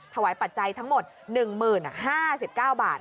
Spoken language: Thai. ถวายปัจจัยทั้งหมด๑หมื่น๕๙บาท